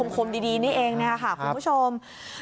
คมดีนี่เองนะครับคุณผู้ชม